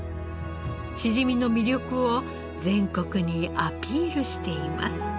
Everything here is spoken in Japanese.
しじみの魅力を全国にアピールしています。